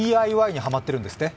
ＤＩＹにはまっているんですって？